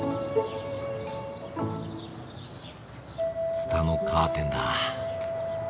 つたのカーテンだ。